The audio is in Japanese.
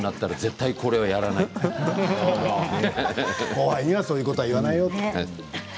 後輩にはそういうことは言わないよって。